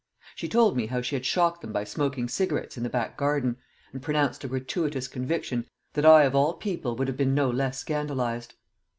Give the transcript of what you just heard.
She told me how she had shocked them by smoking cigarettes in the back garden, and pronounced a gratuitous conviction that I of all people would have been no less scandalised!